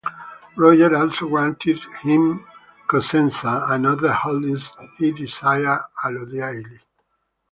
Roger also granted him Cosenza and other holdings he desired allodially.